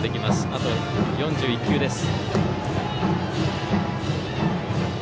あと４０球です。